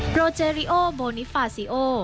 โรเจริโอโมนิฟาซิโอ